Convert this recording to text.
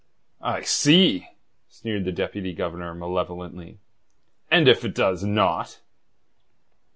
"I see!" sneered the Deputy Governor malevolently. "And if it does not?"